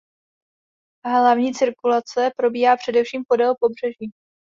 Hlavní cirkulace probíhá především podél pobřeží.